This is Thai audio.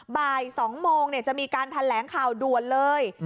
บ่าย๒โมงจะมีการแถลงข่าวด่วนเลย